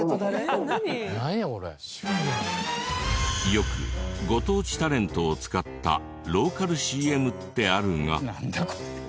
よくご当地タレントを使ったローカルＣＭってあるが。